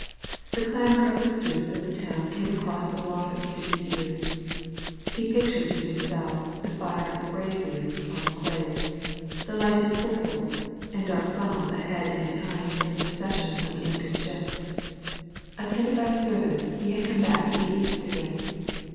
The clamour of the streets of the town came across the water to his ears. He pictured to himself the flare of braziers upon the quays, the lighted port holes, and dark funnels ahead and behind in the procession of the anchored ships. Attended by a servant, he had come back to the East again.